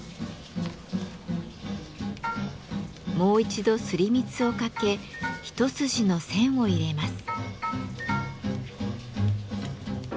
もう一度すり蜜をかけ一筋の線を入れます。